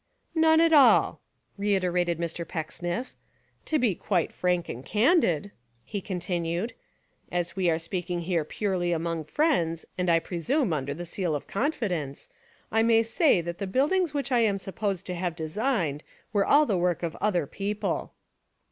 "None at all," reiterated Mr. Pecksniff. "To be quite frank and candid," he continued, "as we are speaking here purely among friends and I presume under the seal of confidence, I may say that the buildings which I am supposed to have designed were all the work of other peo ple."